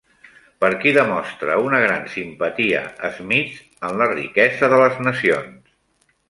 Per qui demostra una gran simpatia Smith en La riquesa de les nacions?